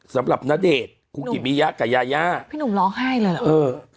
สำหรับณเดชครูกิมยะกับยายะพี่หนุ่มร้องไห้เลยเลย